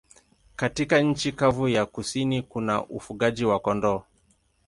Katika nchi kavu ya kusini kuna ufugaji wa kondoo.